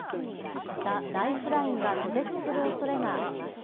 またライフラインが途絶するおそれがあります。